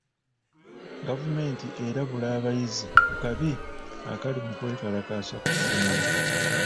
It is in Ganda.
Gavumenti erabula abayizi ku kabi akali mu kwekalakaasa ku ssomero.